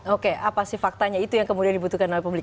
oke apa sih faktanya itu yang kemudian dibutuhkan oleh publik